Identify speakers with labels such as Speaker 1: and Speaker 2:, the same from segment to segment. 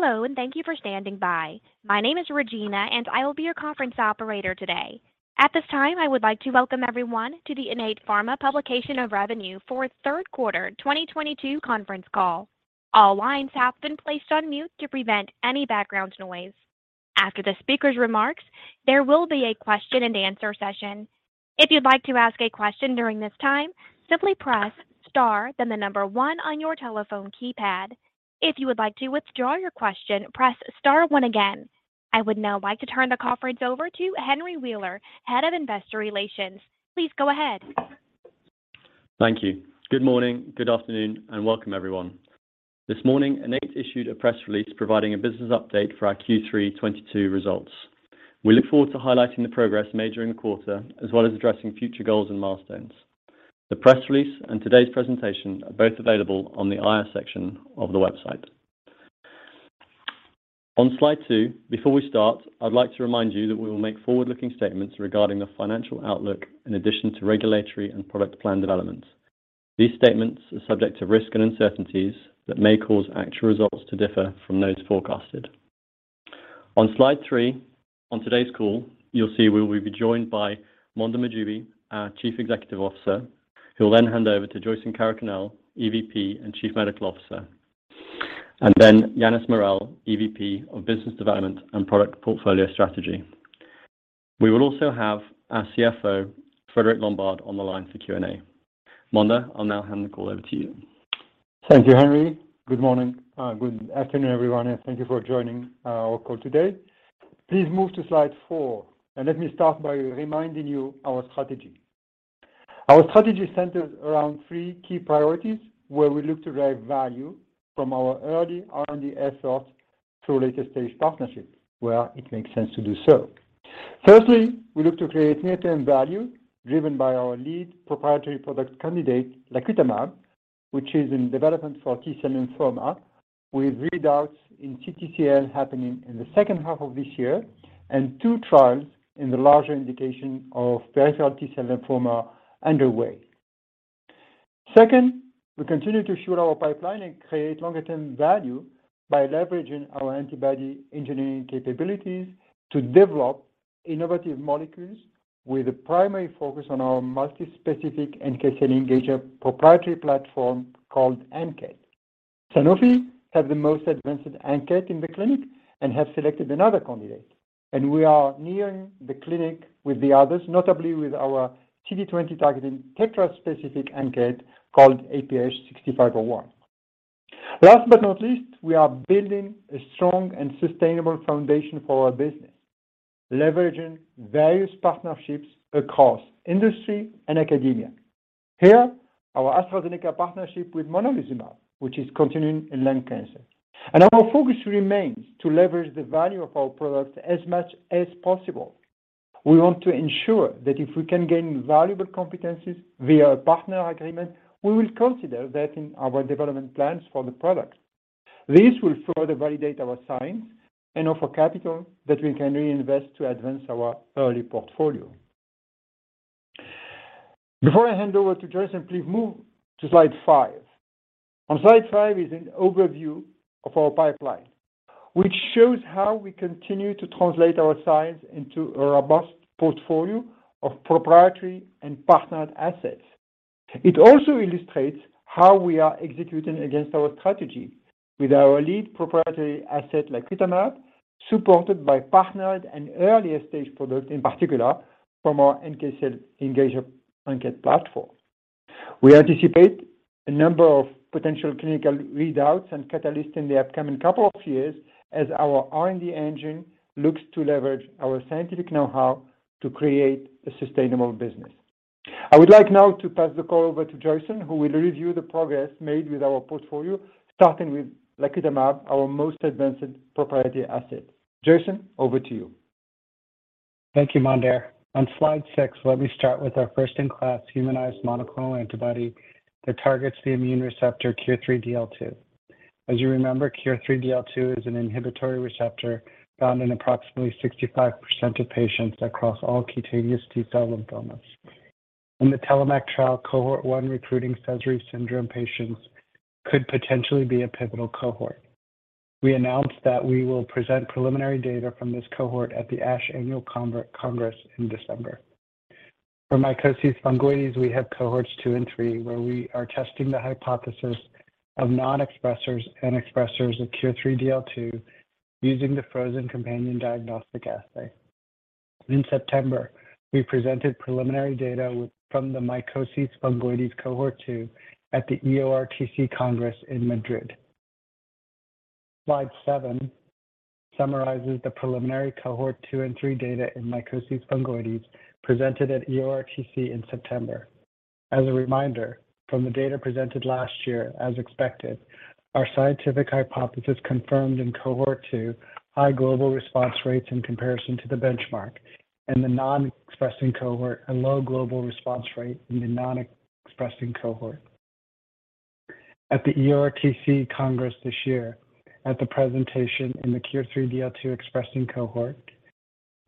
Speaker 1: Hello, and thank you for standing by. My name is Regina, and I will be your conference operator today. At this time, I would like to welcome everyone to the Innate Pharma publication of revenue for third quarter 2022 conference call. All lines have been placed on mute to prevent any background noise. After the speaker's remarks, there will be a question and answer session. If you'd like to ask a question during this time, simply press star then the number one on your telephone keypad. If you would like to withdraw your question, press star one again. I would now like to turn the conference over to Henry Wheeler, Head of Investor Relations. Please go ahead.
Speaker 2: Thank you. Good morning, good afternoon, and welcome everyone. This morning, Innate issued a press release providing a business update for our Q3 2022 results. We look forward to highlighting the progress made during the quarter, as well as addressing future goals and milestones. The press release and today's presentation are both available on the IR section of the website. On slide two, before we start, I'd like to remind you that we will make forward-looking statements regarding the financial outlook in addition to regulatory and product plan developments. These statements are subject to risk and uncertainties that may cause actual results to differ from those forecasted. On slide three, on today's call, you'll see we will be joined by Mondher Mahjoubi, our Chief Executive Officer, who will then hand over to Joyson Karakunnel, EVP and Chief Medical Officer. Yannis Morel, EVP of Business Development and Product Portfolio Strategy. We will also have our CFO, Frédéric Lombard, on the line for Q&A. Mondher, I'll now hand the call over to you.
Speaker 3: Thank you, Henry. Good morning. Good afternoon, everyone, and thank you for joining our call today. Please move to slide four, and let me start by reminding you our strategy. Our strategy centers around three key priorities where we look to drive value from our early R&D efforts to later-stage partnerships, where it makes sense to do so. Firstly, we look to create near-term value driven by our lead proprietary product candidate, lacutamab, which is in development for T-cell lymphoma, with readouts in CTCL happening in the second half of this year and two trials in the larger indication of peripheral T-cell lymphoma underway. Second, we continue to build our pipeline and create longer-term value by leveraging our antibody engineering capabilities to develop innovative molecules with a primary focus on our multi-specific NK cell engager proprietary platform called ANKET. Sanofi have the most advanced ANKET in the clinic and have selected another candidate. We are nearing the clinic with the others, notably with our CD20 targeting tetra-specific ANKET called IPH6501. Last but not least, we are building a strong and sustainable foundation for our business, leveraging various partnerships across industry and academia. Here, our AstraZeneca partnership with monalizumab, which is continuing in lung cancer. Our focus remains to leverage the value of our products as much as possible. We want to ensure that if we can gain valuable competencies via a partner agreement, we will consider that in our development plans for the product. This will further validate our science and offer capital that we can reinvest to advance our early portfolio. Before I hand over to Joyson, please move to slide five. On slide five is an overview of our pipeline, which shows how we continue to translate our science into a robust portfolio of proprietary and partnered assets. It also illustrates how we are executing against our strategy with our lead proprietary asset, lacutamab, supported by partnered and earlier stage products, in particular from our NK cell engager ANKET platform. We anticipate a number of potential clinical readouts and catalysts in the upcoming couple of years as our R&D engine looks to leverage our scientific know-how to create a sustainable business. I would like now to pass the call over to Joyson, who will review the progress made with our portfolio, starting with lacutamab, our most advanced proprietary asset. Joyson, over to you.
Speaker 4: Thank you, Mondher. On slide six, let me start with our first-in-class humanized monoclonal antibody that targets the immune receptor KIR3DL2. As you remember, KIR3DL2 is an inhibitory receptor found in approximately 65% of patients across all cutaneous T-cell lymphomas. In the TELLOMAK trial, cohort one recruiting Sézary syndrome patients could potentially be a pivotal cohort. We announced that we will present preliminary data from this cohort at the ASH Annual Congress in December. For mycosis fungoides, we have cohorts two and three, where we are testing the hypothesis of non-expressers and expressers of KIR3DL2 using the frozen companion diagnostic assay. In September, we presented preliminary data from the mycosis fungoides cohort two at the EORTC Congress in Madrid. Slide seven summarizes the preliminary cohort two and three data in mycosis fungoides presented at EORTC in September. As a reminder, from the data presented last year, as expected, our scientific hypothesis confirmed in cohort two high global response rates in comparison to the benchmark, and the non-expressing cohort a low global response rate in the non-expressing cohort. At the EORTC Congress this year, at the presentation in the KIR3DL2 expressing cohort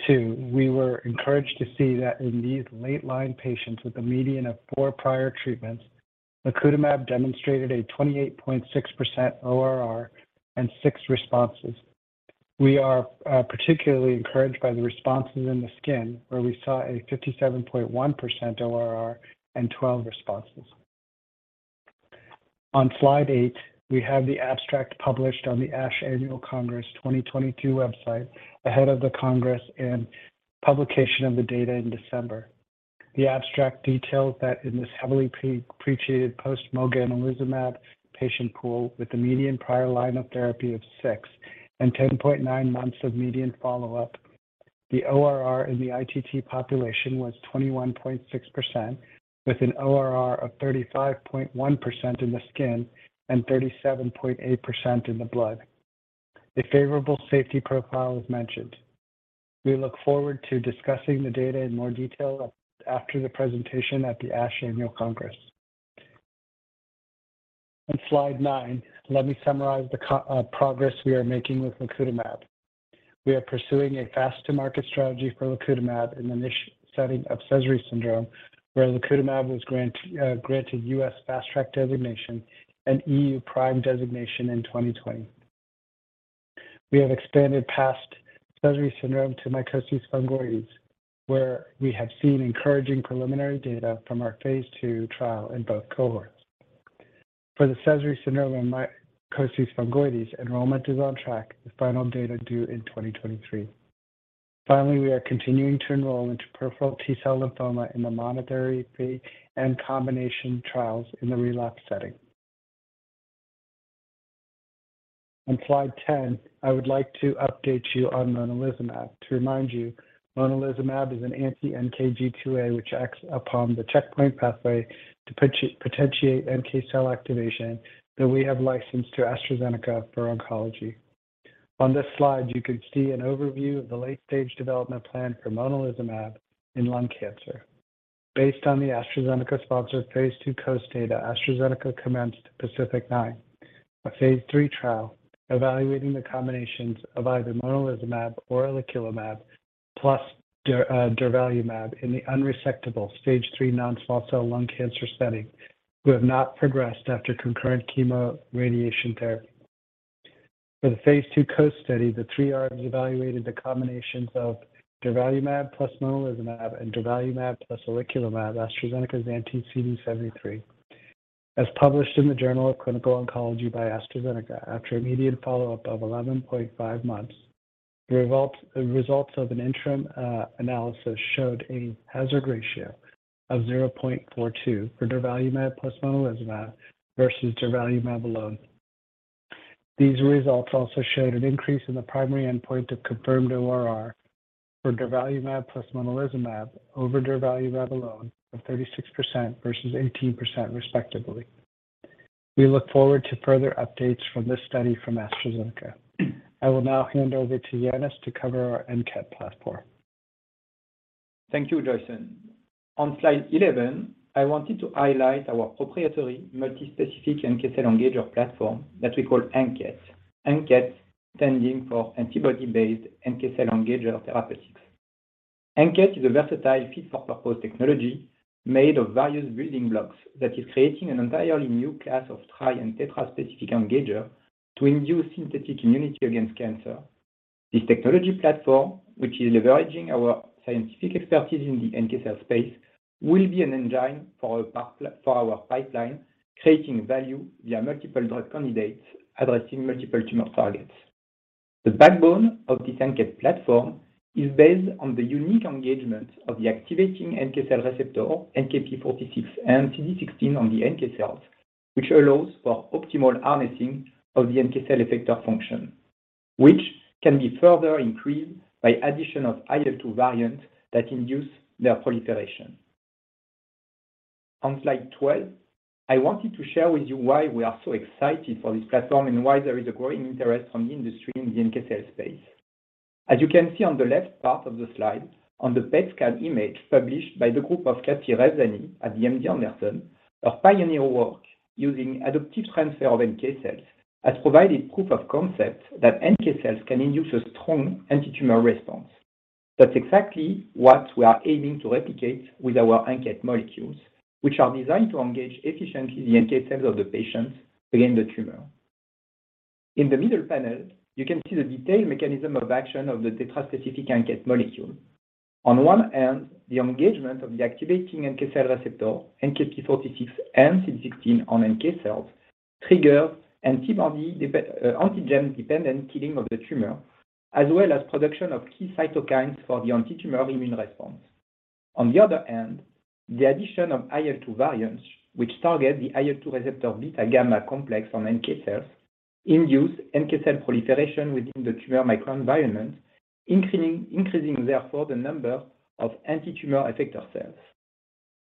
Speaker 4: two, we were encouraged to see that in these late-line patients with a median of four prior treatments, lacutamab demonstrated a 28.6% ORR and six responses. We are particularly encouraged by the responses in the skin, where we saw a 57.1% ORR and 12 responses. On slide eight, we have the abstract published on the ASH Annual Congress 2022 website ahead of the Congress and publication of the data in December. The abstract details that in this heavily pretreated post mogamulizumab patient pool, with a median prior line of therapy of six and 10.9 months of median follow-up, the ORR in the ITT population was 21.6%, with an ORR of 35.1% in the skin and 37.8% in the blood. A favorable safety profile is mentioned. We look forward to discussing the data in more detail after the presentation at the ASH Annual Congress. On slide nine, let me summarize the progress we are making with lacutamab. We are pursuing a fast-to-market strategy for lacutamab in the niche setting of Sézary syndrome, where lacutamab was granted U.S. Fast Track Designation and E.U. PRIME Designation in 2020. We have expanded past Sézary syndrome to mycosis fungoides, where we have seen encouraging preliminary data from our phase II trial in both cohorts. For the Sézary syndrome and mycosis fungoides, enrollment is on track, with final data due in 2023. Finally, we are continuing to enroll into peripheral T-cell lymphoma in the monotherapy and combination trials in the relapse setting. On slide 10, I would like to update you on monalizumab. To remind you, monalizumab is an anti-NKG2A which acts upon the checkpoint pathway to potentiate NK cell activation that we have licensed to AstraZeneca for oncology. On this slide, you can see an overview of the late-stage development plan for monalizumab in lung cancer. Based on the AstraZeneca-sponsored phase II COAST study, AstraZeneca commenced PACIFIC-9, a phase III trial evaluating the combinations of either monalizumab or oleclumab plus durvalumab in the unresectable Stage III non-small cell lung cancer setting who have not progressed after concurrent chemoradiation therapy. For the phase II COAST study, the three arms evaluated the combinations of durvalumab plus monalizumab and durvalumab plus oleclumab, AstraZeneca's anti-CD73. As published in the Journal of Clinical Oncology by AstraZeneca, after a median follow-up of 11.5 months, the results of an interim analysis showed a hazard ratio of 0.42 for durvalumab plus monalizumab versus durvalumab alone. These results also showed an increase in the primary endpoint of confirmed ORR for durvalumab plus monalizumab over durvalumab alone of 36% versus 18% respectively. We look forward to further updates from this study from AstraZeneca. I will now hand over to Yannis to cover our ANKET platform.
Speaker 5: Thank you, Joyson. On slide 11, I wanted to highlight our proprietary multi-specific NK cell engager platform that we call ANKET. ANKET standing for Antibody-based NK Cell Engager Therapeutics. ANKET is a versatile fit-for-purpose technology made of various building blocks that is creating an entirely new class of tri- and tetraspecific engager to induce synthetic immunity against cancer. This technology platform, which is leveraging our scientific expertise in the NK cell space, will be an engine for our pipeline, creating value via multiple drug candidates addressing multiple tumor targets. The backbone of this ANKET platform is based on the unique engagement of the activating NK cell receptor, NKp46 and CD16 on the NK cells, which allows for optimal harnessing of the NK cell effector function, which can be further increased by addition of IL-2 variant that induce their proliferation. On slide 12, I wanted to share with you why we are so excited for this platform and why there is a growing interest from the industry in the NK cell space. As you can see on the left part of the slide on the PET scan image published by the group of Katy Rezvani at the MD Anderson, her pioneering work using adoptive transfer of NK cells has provided proof of concept that NK cells can induce a strong antitumor response. That's exactly what we are aiming to replicate with our ANKET molecules, which are designed to engage efficiently the NK cells of the patient against the tumor. In the middle panel, you can see the detailed mechanism of action of the tetraspecific ANKET molecule. On one end, the engagement of the activating NK cell receptor, NKp46 and CD16 on NK cells, triggers antibody antigen-dependent killing of the tumor, as well as production of key cytokines for the antitumor immune response. On the other end, the addition of IL-2 variants, which target the IL-2 receptor beta gamma complex on NK cells, induce NK cell proliferation within the tumor microenvironment, increasing therefore the number of antitumor effector cells.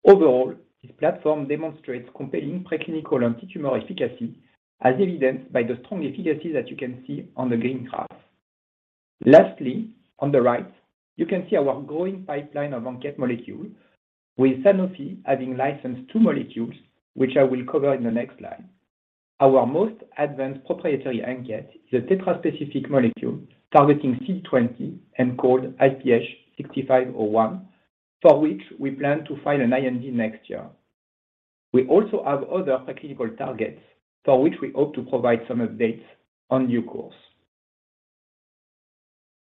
Speaker 5: Overall, this platform demonstrates compelling preclinical antitumor efficacy, as evidenced by the strong efficacy that you can see on the green graph. Lastly, on the right, you can see our growing pipeline of ANKET molecules, with Sanofi having licensed two molecules, which I will cover in the next slide. Our most advanced proprietary ANKET is a tetra-specific molecule targeting CD20 and called IPH6501, for which we plan to file an IND next year. We also have other preclinical targets for which we hope to provide some updates in due course.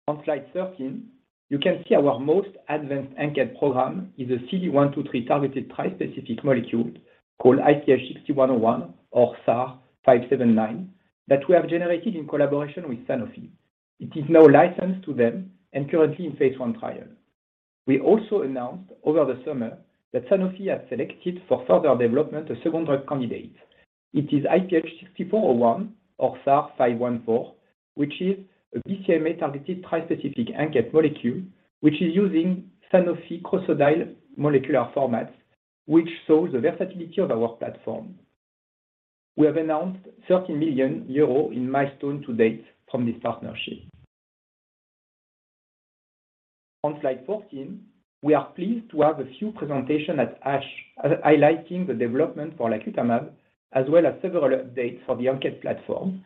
Speaker 5: On slide 13, you can see our most advanced ANKET program is a CD123 targeted tri-specific molecule called IPH6101 or SAR 443579 that we have generated in collaboration with Sanofi. It is now licensed to them and currently in phase I trial. We also announced over the summer that Sanofi has selected for further development a second drug candidate. It is IPH6401 or SAR'514, which is a BCMA targeted tri-specific ANKET molecule, which is using Sanofi CROSSODILE molecular format, which shows the versatility of our platform. We have announced 13 million euro in milestones to date from this partnership. On slide 14, we are pleased to have a few presentations at ASH highlighting the development for lacutamab, as well as several updates for the ANKET platform.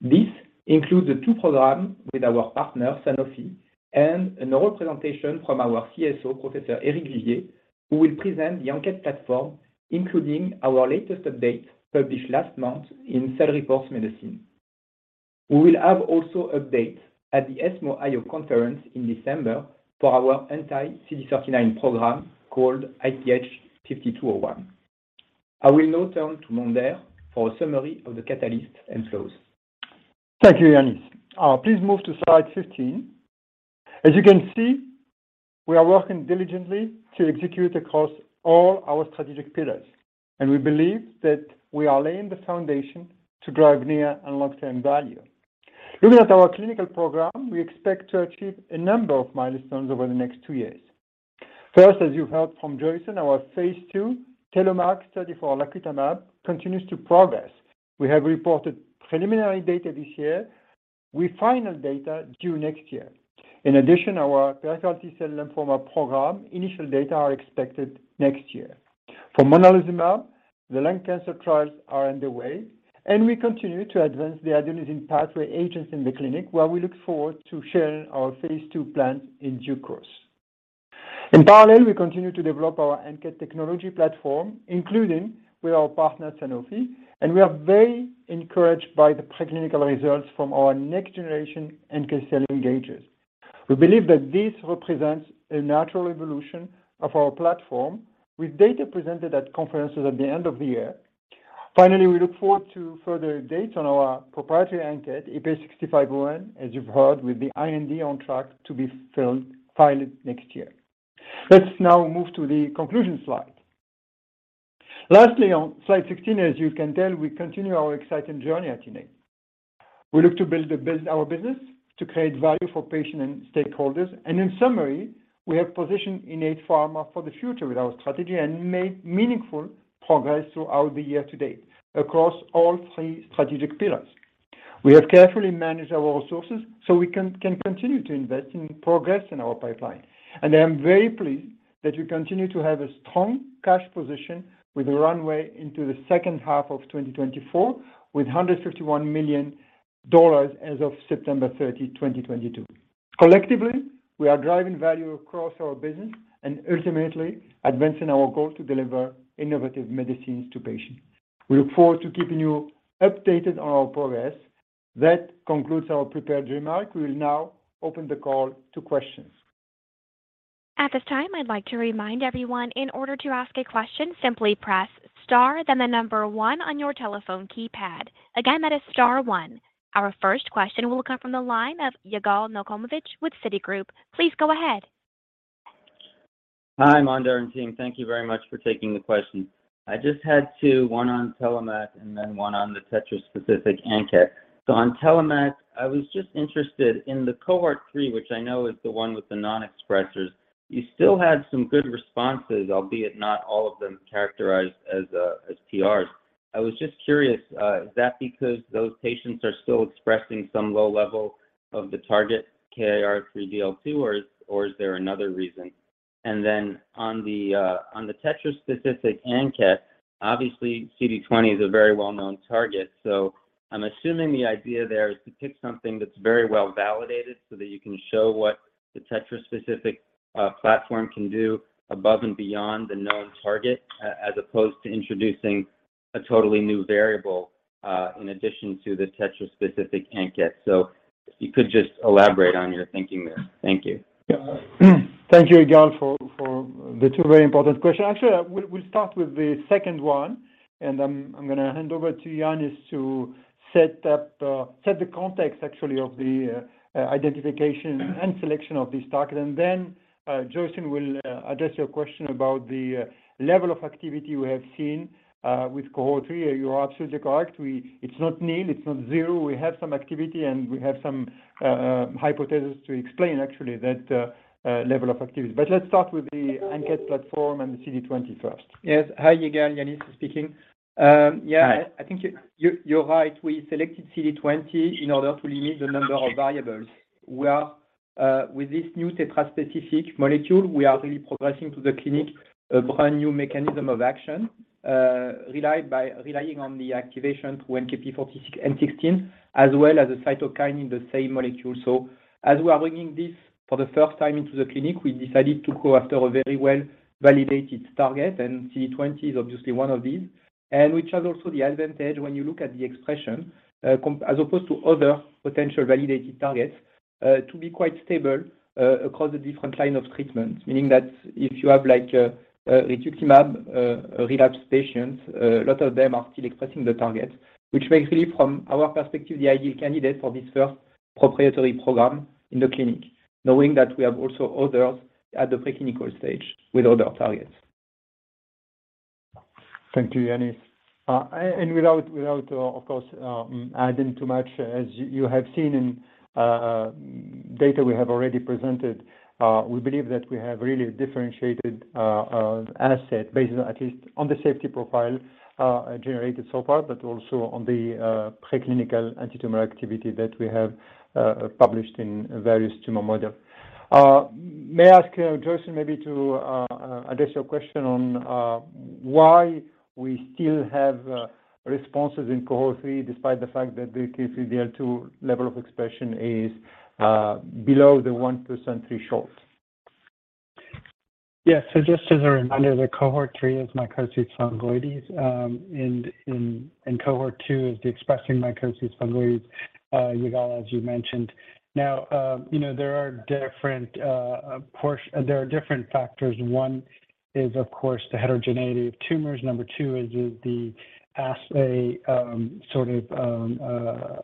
Speaker 5: This includes the two programs with our partner, Sanofi, and an oral presentation from our CSO, Professor Eric Vivier, who will present the ANKET platform, including our latest update published last month in Cell Reports Medicine. We will also have updates at the ESMO IO conference in December for our anti-CD39 program called IPH5201. I will now turn to Mondher for a summary of the catalyst and close.
Speaker 3: Thank you, Yannis. Please move to slide 15. As you can see, we are working diligently to execute across all our strategic pillars, and we believe that we are laying the foundation to drive near and long-term value. Looking at our clinical program, we expect to achieve a number of milestones over the next two years. First, as you heard from Joyson, our phase II TELLOMAK study for lacutamab continues to progress. We have reported preliminary data this year, with final data due next year. In addition, our peripheral T-cell lymphoma program initial data are expected next year. For monalizumab, the lung cancer trials are underway, and we continue to advance the adenosine pathway agents in the clinic, while we look forward to sharing our phase II plans in due course. In parallel, we continue to develop our ANKET technology platform, including with our partner Sanofi, and we are very encouraged by the preclinical results from our next generation ANKET cell engagers. We believe that this represents a natural evolution of our platform with data presented at conferences at the end of the year. Finally, we look forward to further updates on our proprietary ANKET, IPH6501, as you've heard, with the IND on track to be filed next year. Let's now move to the conclusion slide. Lastly, on slide 16, as you can tell, we continue our exciting journey at Innate. We look to build our business to create value for patients and stakeholders. In summary, we have positioned Innate Pharma for the future with our strategy and made meaningful progress throughout the year to date across all three strategic pillars. We have carefully managed our resources so we can continue to invest and progress in our pipeline. I am very pleased that we continue to have a strong cash position with a runway into the second half of 2024, with $151 million as of September 30, 2022. Collectively, we are driving value across our business and ultimately advancing our goal to deliver innovative medicines to patients. We look forward to keeping you updated on our progress. That concludes our prepared remarks. We will now open the call to questions.
Speaker 1: At this time, I'd like to remind everyone in order to ask a question, simply press star then the number one on your telephone keypad. Again, that is star one. Our first question will come from the line of Yigal Nochomovitz with Citigroup. Please go ahead.
Speaker 6: Hi, Mondher and team. Thank you very much for taking the question. I just had two, one on TELLOMAK and then one on the tetra-specific ANKET. On TELLOMAK, I was just interested in the cohort three, which I know is the one with the non-expressers. You still had some good responses, albeit not all of them characterized as PRs. I was just curious, is that because those patients are still expressing some low level of the target KIR3DL2, or is there another reason? On the tetra-specific ANKET, obviously CD20 is a very well-known target. I'm assuming the idea there is to pick something that's very well validated so that you can show what the tetra-specific platform can do above and beyond the known target, as opposed to introducing a totally new variable in addition to the tetra-specific ANKET. If you could just elaborate on your thinking there. Thank you.
Speaker 3: Yeah. Thank you, Yigal, for the two very important questions. Actually, I will start with the second one, and I'm gonna hand over to Yannis to set up the context actually of the identification and selection of this target. Then Joyson will address your question about the level of activity we have seen with cohort three. You are absolutely correct. We. It's not nil, it's not zero. We have some activity, and we have some hypothesis to explain actually that level of activity. Let's start with the ANKET platform and the CD20 first.
Speaker 5: Yes. Hi, Yigal, Yannis speaking. Yeah.
Speaker 6: Hi.
Speaker 5: I think you're right. We selected CD20 in order to limit the number of variables. We are with this new tetra-specific molecule, we are really progressing to the clinic a brand new mechanism of action, relying on the activation to NKp46 and CD16 as well as a cytokine in the same molecule. As we are bringing this for the first time into the clinic, we decided to go after a very well-validated target, and CD20 is obviously one of these. Which has also the advantage when you look at the expression, as opposed to other potential validated targets, to be quite stable, across the different line of treatment. Meaning that if you have like, rituximab, relapse patients, a lot of them are still expressing the target, which makes really from our perspective, the ideal candidate for this first proprietary program in the clinic, knowing that we have also others at the preclinical stage with other targets.
Speaker 3: Thank you, Yannis. Without, of course, adding too much, as you have seen in data we have already presented, we believe that we have really differentiated asset based on at least the safety profile generated so far, but also on the preclinical antitumor activity that we have published in various tumor model. May I ask, Joyson, maybe to address your question on why we still have responses in cohort three, despite the fact that KIR3DL2 level of expression is below the 1% threshold.
Speaker 4: Yes. Just as a reminder, the cohort three is mycosis fungoides, and in cohort two is the expressing mycosis fungoides, Yigal, as you mentioned. Now, you know, there are different factors. One is, of course, the heterogeneity of tumors. Number two is the assay, sort of,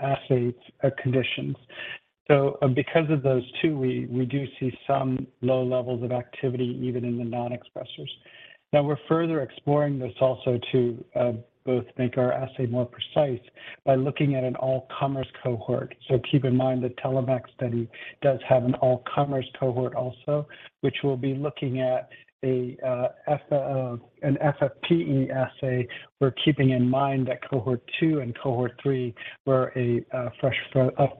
Speaker 4: assay conditions. Because of those two, we do see some low levels of activity even in the non-expressers. Now we're further exploring this also to both make our assay more precise by looking at an all-comers cohort. Keep in mind, the TELLOMAK study does have an all-comers cohort also, which will be looking at an FFPE assay. We're keeping in mind that cohort two and cohort three were a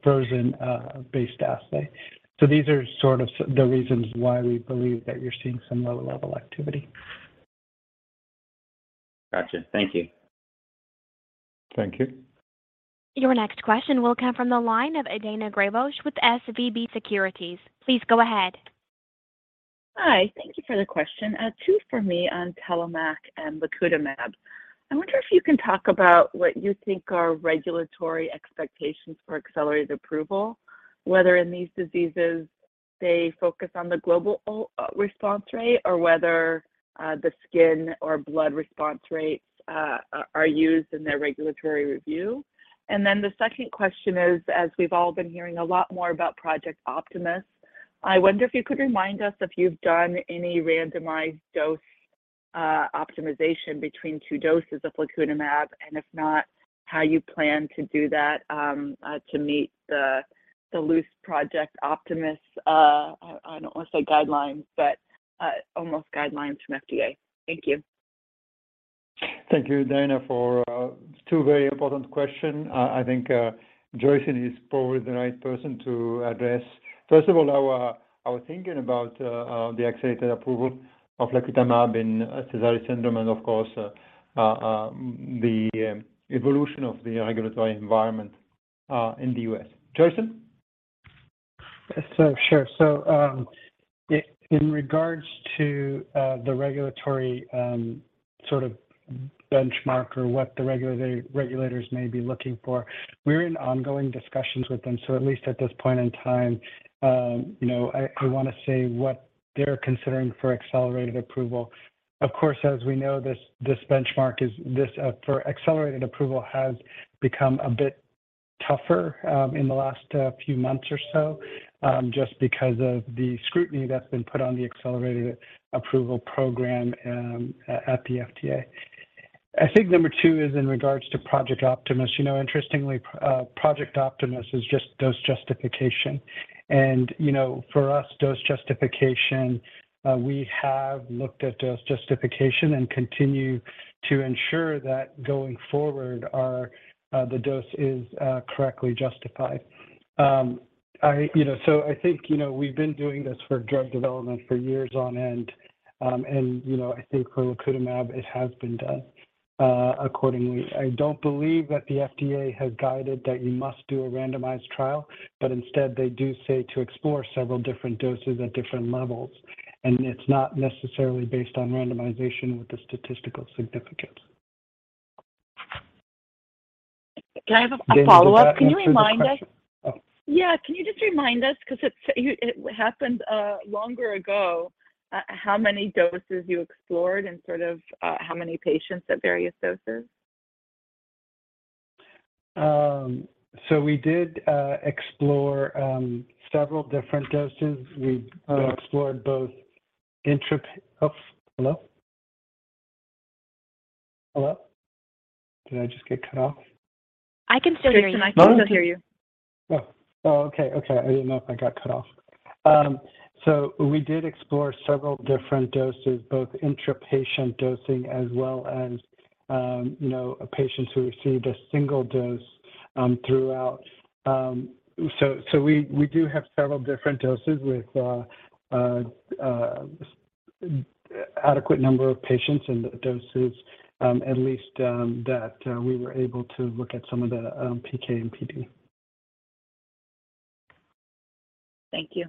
Speaker 4: frozen-based assay. These are sort of the reasons why we believe that you're seeing some low-level activity.
Speaker 6: Got you. Thank you.
Speaker 3: Thank you.
Speaker 1: Your next question will come from the line of Daina Graybosch with SVB Securities. Please go ahead.
Speaker 7: Hi. Thank you for the question. Two for me on TELLOMAK and lacutamab. I wonder if you can talk about what you think are regulatory expectations for accelerated approval, whether in these diseases they focus on the global response rate or whether the skin or blood response rates are used in their regulatory review. Then the second question is, as we've all been hearing a lot more about Project Optimus, I wonder if you could remind us if you've done any randomized dose optimization between two doses of lacutamab, and if not, how you plan to do that to meet the loose Project Optimus, I don't want to say guidelines, but almost guidelines from FDA. Thank you.
Speaker 3: Thank you, Daina, for two very important question. I think Joyson is probably the right person to address, first of all, our thinking about the accelerated approval of lacutamab in Sézary syndrome and of course the evolution of the regulatory environment in the U.S. Joyson?
Speaker 4: Sure. In regards to the regulatory sort of benchmark or what the regulators may be looking for, we're in ongoing discussions with them. At least at this point in time, you know, I want to say what they're considering for accelerated approval. Of course, as we know, this benchmark for accelerated approval has become a bit tougher in the last few months or so, just because of the scrutiny that's been put on the accelerated approval program at the FDA. I think number two is in regards to Project Optimus. You know, interestingly, Project Optimus is just dose justification. You know, for us, dose justification, we have looked at dose justification and continue to ensure that going forward our the dose is correctly justified. You know, I think we've been doing this for drug development for years on end. You know, I think for lacutamab, it has been done accordingly. I don't believe that the FDA has guided that you must do a randomized trial, but instead they do say to explore several different doses at different levels. It's not necessarily based on randomization with the statistical significance.
Speaker 7: Can I have a follow-up? Can you remind us?
Speaker 3: Oh.
Speaker 7: Yeah. Can you just remind us because it happened longer ago how many doses you explored and sort of how many patients at various doses?
Speaker 4: We did explore several different doses. We explored both. Hello? Hello? Did I just get cut off?
Speaker 1: I can still hear you.
Speaker 7: Joyson, I can still hear you.
Speaker 4: Okay. I didn't know if I got cut off. We did explore several different doses, both intra-patient dosing as well and, you know, patients who received a single dose throughout. We do have several different doses with adequate number of patients and doses, at least that we were able to look at some of the PK and PD.
Speaker 7: Thank you.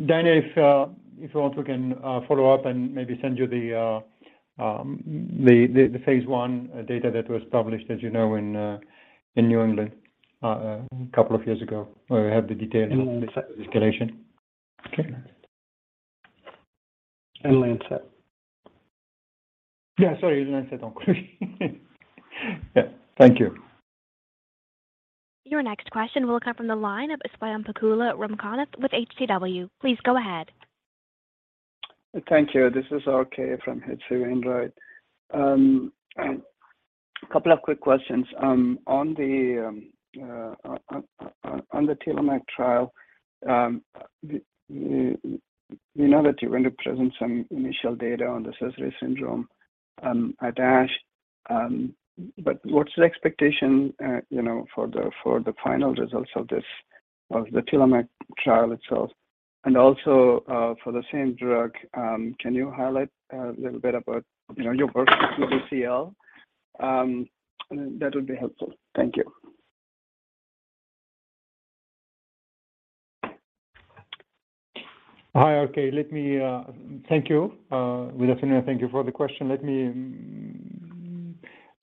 Speaker 3: Daina, if you also can follow up and maybe send you the phase I data that was published, as you know, in New England a couple of years ago, where we have the detail in this escalation.
Speaker 4: Okay. Lancet.
Speaker 3: Yeah, sorry. Lancet. Yeah. Thank you.
Speaker 1: Your next question will come from the line of Swayampakula Ramakanth with HCW. Please go ahead.
Speaker 8: Thank you. This is RK from H.C. Wainwright. A couple of quick questions. On the TELLOMAK trial, we know that you're going to present some initial data on the Sézary syndrome at ASH, but what's the expectation, you know, for the final results of this TELLOMAK trial itself? Also, for the same drug, can you highlight a little bit about, you know, your work with PTCL? That would be helpful. Thank you.
Speaker 3: Hi, RK. Let me thank you. Good afternoon, and thank you for the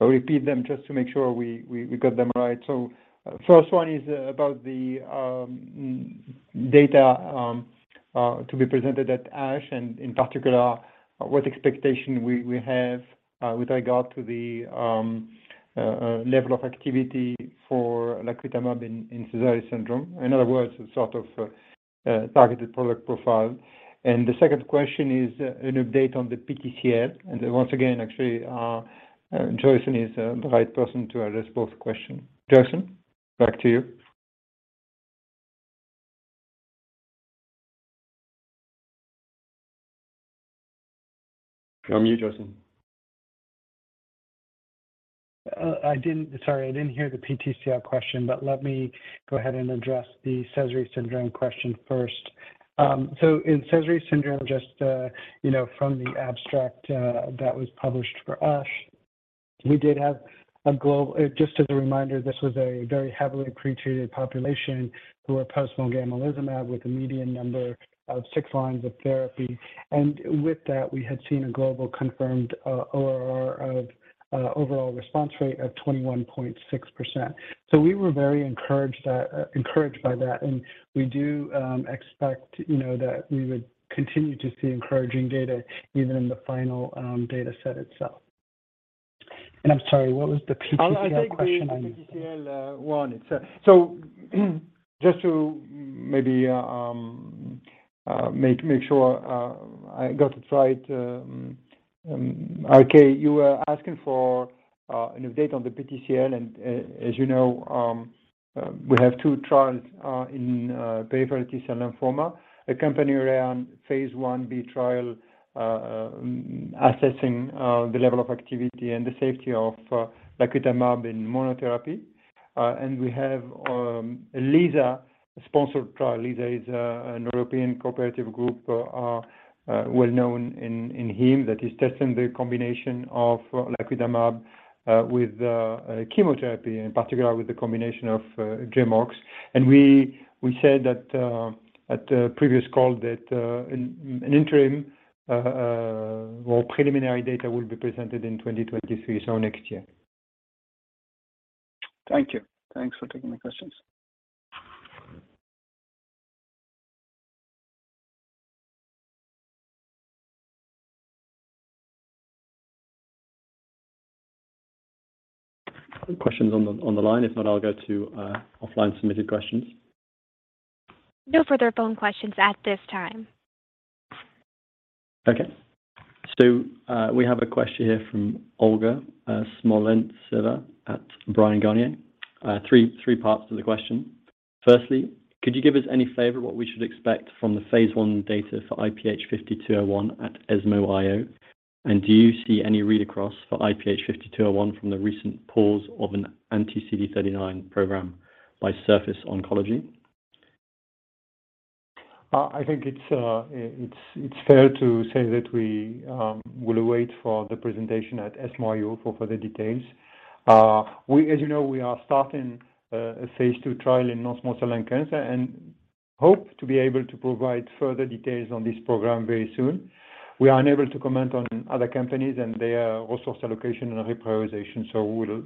Speaker 3: question. Let me repeat them just to make sure we got them right. First one is about the data to be presented at ASH, and in particular, what expectation we have with regard to the level of activity for lacutamab in Sézary syndrome. In other words, sort of targeted product profile. The second question is an update on the PTCL. Once again, actually, Joyson is the right person to address both questions. Joyson, back to you. You're on mute, Joyson.
Speaker 4: I didn't hear the PTCL question, but let me go ahead and address the Sézary syndrome question first. In Sézary syndrome, just, you know, from the abstract that was published for us, we did have a global confirmed ORR of overall response rate of 21.6%. With that, we had seen a global confirmed ORR of 21.6%. We were very encouraged by that. We do expect, you know, that we would continue to see encouraging data even in the final data set itself. I'm sorry, what was the PTCL question?
Speaker 3: I'll take the PTCL one. Just to maybe make sure I got it right, RK, you were asking for an update on the PTCL. As you know, we have two trials in peripheral T-cell lymphoma, a company-sponsored phase Ib trial assessing the level of activity and the safety of lacutamab in monotherapy. We have LYSA-sponsored trial. LYSA is a European cooperative group well known in hematology that is testing the combination of lacutamab with chemotherapy, in particular with the combination of GemOx. We said that at a previous call that an interim or preliminary data will be presented in 2023, so next year.
Speaker 8: Thank you. Thanks for taking my questions.
Speaker 2: Questions on the line. If not, I'll go to offline submitted questions.
Speaker 1: No further phone questions at this time.
Speaker 2: Okay. Stu, we have a question here from Olga Smolentseva at Bryan, Garnier. Three parts to the question. Firstly, could you give us any flavor what we should expect from the phase one data for IPH5201 at ESMO IO? And do you see any read across for IPH5201 from the recent pause of an anti-CD39 program by Surface Oncology?
Speaker 3: I think it's fair to say that we will wait for the presentation at ESMO IO for further details. As you know, we are starting a phase II trial in non-small cell lung cancer and hope to be able to provide further details on this program very soon. We are unable to comment on other companies and their resource allocation and reprioritization.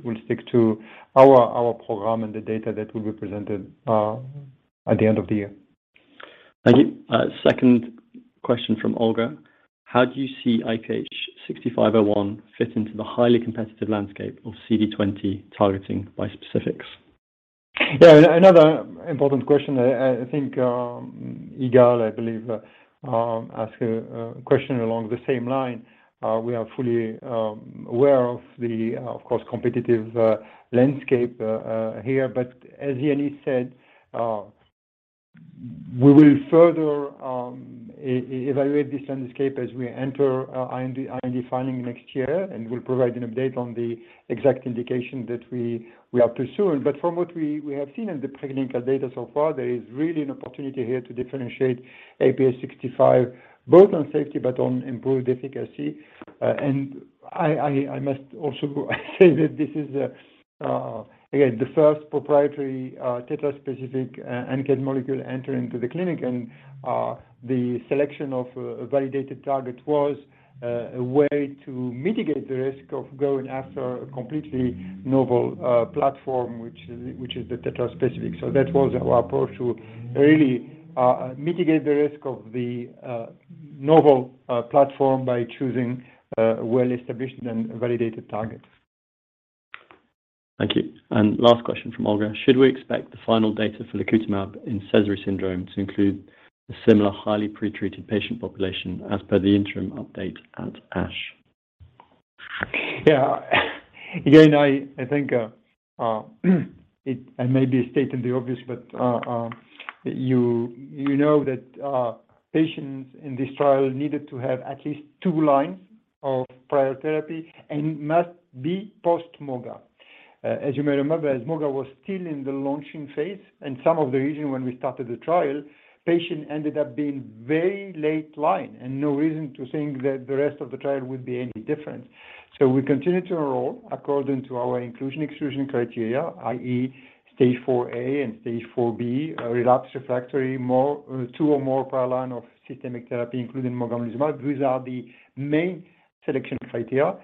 Speaker 3: We'll stick to our program and the data that will be presented at the end of the year.
Speaker 2: Thank you. Second question from Olga. How do you see IPH6501 fit into the highly competitive landscape of CD20 targeting bispecifics?
Speaker 3: Yeah. Another important question. I think Yigal, I believe, asked a question along the same line. We are fully aware of course, the competitive landscape here. As Yannis said, we will further evaluate this landscape as we enter IND filing next year, and we'll provide an update on the exact indication that we are pursuing. From what we have seen in the preclinical data so far, there is really an opportunity here to differentiate IPH6501 both on safety but on improved efficacy. I must also say that this is again the first proprietary tetra-specific ANKET molecule entering the clinic. The selection of a validated target was a way to mitigate the risk of going after a completely novel platform, which is the tetraspecific. That was our approach to really mitigate the risk of the novel platform by choosing well-established and validated targets.
Speaker 2: Thank you. Last question from Olga. Should we expect the final data for lacutamab in Sézary syndrome to include a similar highly pre-treated patient population as per the interim update at ASH?
Speaker 3: Yeah. Again, I think, I may be stating the obvious, but, you know that, patients in this trial needed to have at least two lines of prior therapy and must be post-moga. As you may remember, moga was still in the launching phase and some of the reason when we started the trial, patient ended up being very late line and no reason to think that the rest of the trial would be any different. We continue to enroll according to our inclusion/exclusion criteria, i.e., Stage IV-A and Stage IV-B, relapsed refractory, two or more prior line of systemic therapy including mogamulizumab. These are the main selection criteria.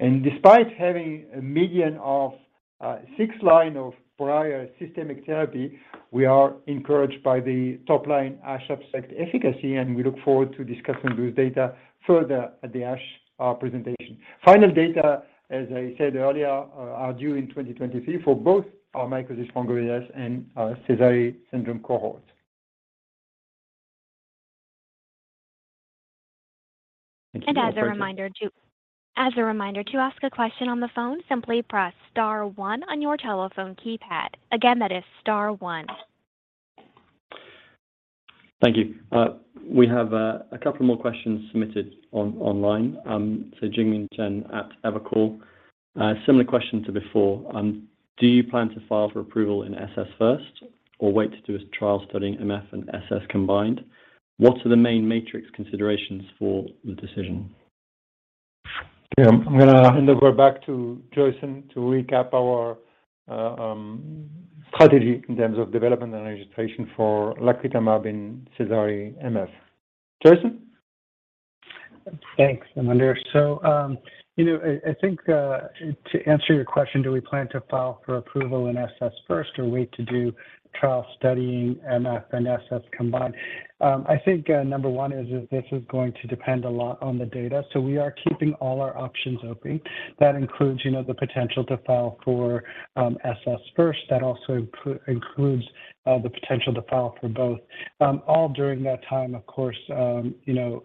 Speaker 3: Despite having a median of six lines of prior systemic therapy, we are encouraged by the top-line ASH abstract efficacy, and we look forward to discussing those data further at the ASH presentation. Final data, as I said earlier, are due in 2023 for both our mycosis fungoides and our Sézary syndrome cohorts.
Speaker 2: Thank you.
Speaker 1: As a reminder, to ask a question on the phone, simply press star one on your telephone keypad. Again, that is star one.
Speaker 2: Thank you. We have a couple more questions submitted online. So, Jingming Chen at Evercore. Similar question to before, do you plan to file for approval in SS first or wait to do a trial studying MF and SS combined? What are the main metrics considerations for the decision?
Speaker 3: Okay. I'm gonna hand over back to Joyson to recap our strategy in terms of development and registration for lacutamab in Sézary MF. Joyson?
Speaker 4: Thanks, Mondhe. You know, I think to answer your question, do we plan to file for approval in SS first or wait to do trial studying MF and SS combined? I think number one is this is going to depend a lot on the data. We are keeping all our options open. That includes you know the potential to file for SS first. That also includes the potential to file for both. All during that time, of course, you know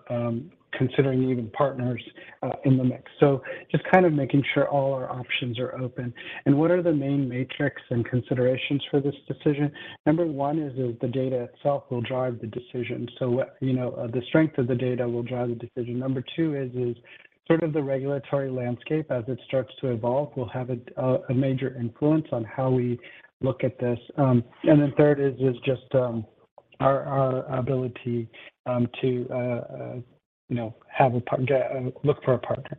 Speaker 4: considering even partners in the mix. Just kind of making sure all our options are open. What are the main metrics and considerations for this decision? Number one is the data itself will drive the decision. You know the strength of the data will drive the decision. Number two is sort of the regulatory landscape as it starts to evolve. Will have a major influence on how we look at this. Third is just our ability to you know look for a partner.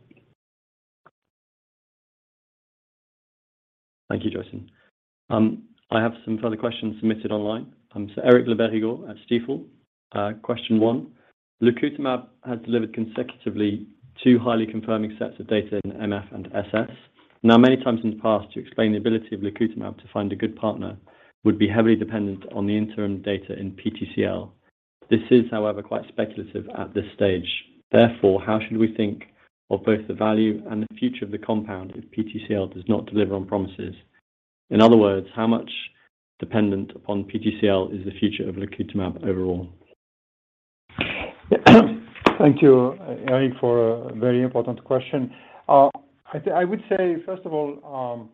Speaker 2: Thank you, Joyson. I have some further questions submitted online. Eric Le Berrigaud at Stifel. Question one, lacutamab has delivered consecutively two highly confirming sets of data in MF and SS. Now, many times in the past, you explained the ability of lacutamab to find a good partner would be heavily dependent on the interim data in PTCL. This is, however, quite speculative at this stage. Therefore, how should we think of both the value and the future of the compound if PTCL does not deliver on promises? In other words, how much dependent upon PTCL is the future of lacutamab overall?
Speaker 3: Thank you, Eric, for a very important question. I would say, first of all,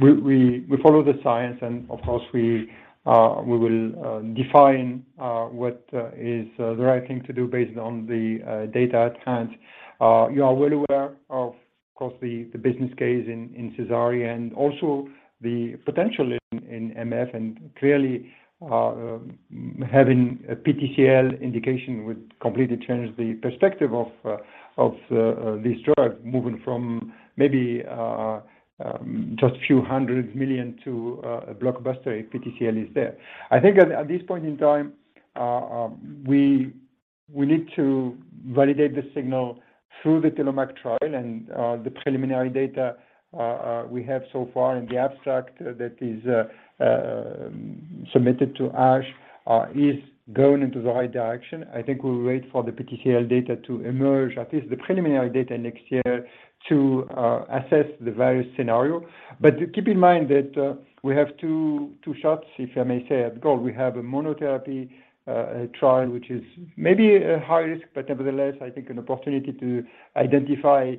Speaker 3: we follow the science and of course we will define what is the right thing to do based on the data at hand. You are well aware of course the business case in Sézary and also the potential in MF and clearly having a PTCL indication would completely change the perspective of this drug moving from maybe just a few hundred million to a blockbuster if PTCL is there. I think at this point in time, we need to validate the signal through the TELLOMAK trial and the preliminary data we have so far in the abstract that is submitted to ASH is going in the right direction. I think we'll wait for the PTCL data to emerge, at least the preliminary data next year to assess the various scenario. Keep in mind that we have two shots, if I may say, at goal. We have a monotherapy trial, which is maybe a high risk, but nevertheless I think an opportunity to identify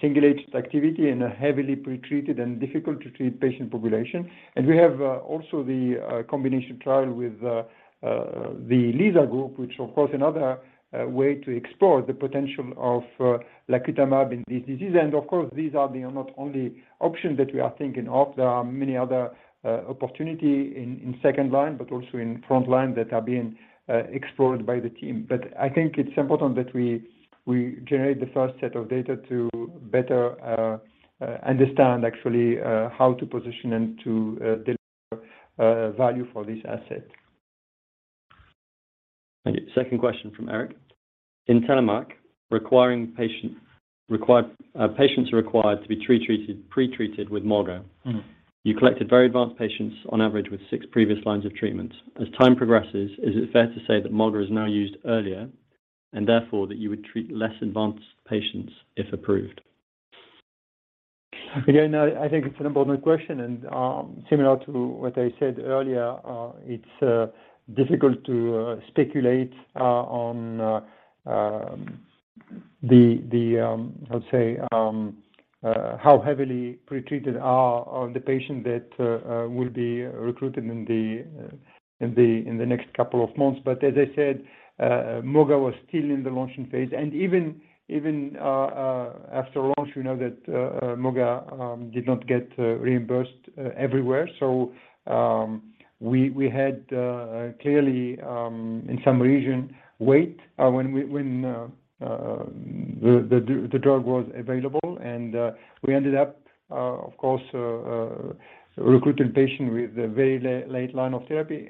Speaker 3: single-agent activity in a heavily pretreated and difficult to treat patient population. We have also the combination trial with the LYSA group, which of course another way to explore the potential of lacutamab in this disease. Of course, these are not the only options that we are thinking of. There are many other opportunities in second-line, but also in frontline that are being explored by the team. I think it's important that we generate the first set of data to better understand actually how to position and to deliver value for this asset.
Speaker 2: Thank you. Second question from Eric. In TELLOMAK, patients are required to be pretreated with moga. You collected very advanced patients on average with six previous lines of treatment. As time progresses, is it fair to say that moga is now used earlier and therefore that you would treat less advanced patients if approved?
Speaker 3: Again, I think it's an important question, and similar to what I said earlier, it's difficult to speculate on, let's say, how heavily pretreated the patients are that will be recruited in the next couple of months. As I said, moga was still in the launching phase. Even after launch, we know that moga did not get reimbursed everywhere. We had clearly in some regions to wait when the drug was available. We ended up, of course, recruiting patients with a very late line of therapy.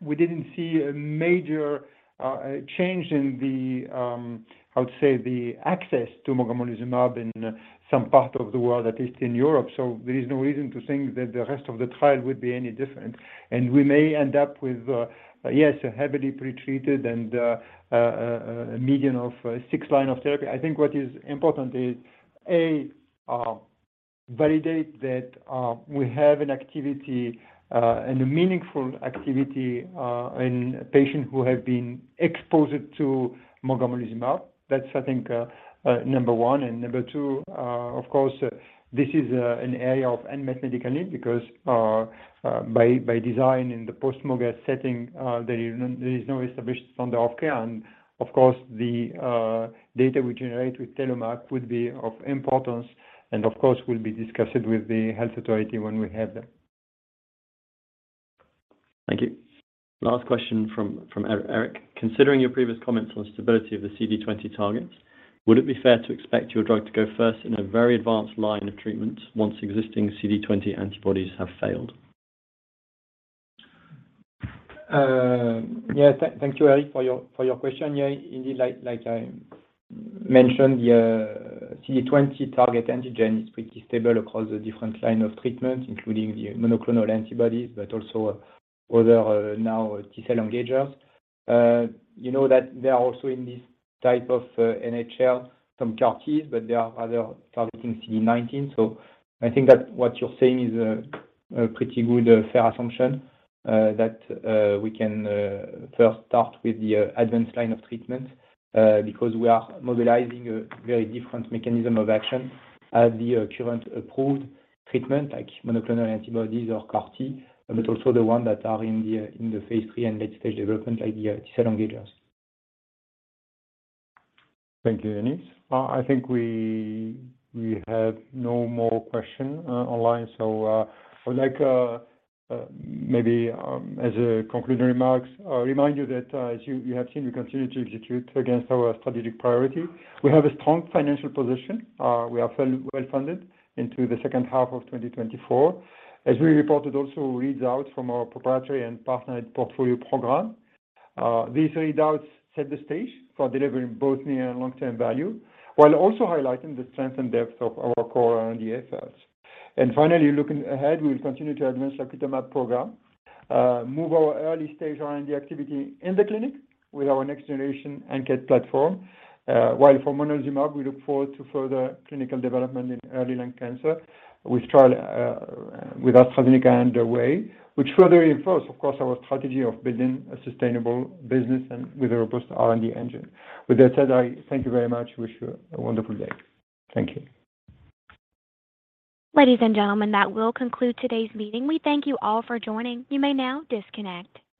Speaker 3: We didn't see a major change in the access to mogamulizumab in some parts of the world, at least in Europe. There is no reason to think that the rest of the trial would be any different. We may end up with a heavily pretreated and a median of six lines of therapy. I think what is important is to validate that we have an activity and a meaningful activity in patients who have been exposed to mogamulizumab. That's, I think, number one. Number two, of course, this is an area of unmet medical need because by design in the post moga setting, there is no established standard of care. Of course, the data we generate with TELLOMAK would be of importance and of course will be discussed with the health authority when we have them.
Speaker 2: Thank you. Last question from Eric. Considering your previous comments on stability of the CD20 targets, would it be fair to expect your drug to go first in a very advanced line of treatment once existing CD20 antibodies have failed?
Speaker 5: Yeah. Thank you, Eric, for your question. Yeah, indeed, like I mentioned, the CD20 target antigen is pretty stable across the different line of treatments, including the monoclonal antibodies, but also other now T-cell engagers. You know that they are also in this type of NHL, some CAR-Ts, but they are rather targeting CD19. I think that what you're saying is a pretty good fair assumption, that we can first start with the advanced line of treatment, because we are mobilizing a very different mechanism of action than the current approved treatment like monoclonal antibodies or CAR-T, but also the one that are in the phase III and late stage development i.e. T-cell engagers.
Speaker 3: Thank you, Yannis. I think we have no more questions online. I would like maybe as concluding remarks to remind you that as you have seen, we continue to execute against our strategic priority. We have a strong financial position. We are well funded into the second half of 2024. As we reported, also readouts from our proprietary and partnered portfolio program. These readouts set the stage for delivering both near- and long-term value while also highlighting the strength and depth of our core R&D assets. Finally, looking ahead, we will continue to advance lacutamab program, move our early-stage R&D activity in the clinic with our next generation ANKET platform. While for monalizumab, we look forward to further clinical development in early lung cancer with AstraZeneca underway, which further reinforce of course our strategy of building a sustainable business and with a robust R&D engine. With that said, I thank you very much. Wish you a wonderful day. Thank you.
Speaker 1: Ladies and gentlemen, that will conclude today's meeting. We thank you all for joining. You may now disconnect.